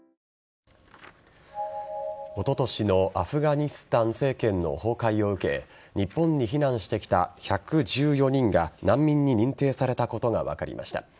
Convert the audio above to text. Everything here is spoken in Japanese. おととしのアフガニスタン政権の崩壊を受け日本に避難してきた１１４人が難民に認定されたことが分かりました。